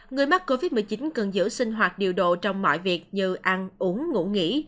người mắc covid một mươi chín cần giữ sinh hoạt điều độ trong mọi việc như ăn uống ngủ nghỉ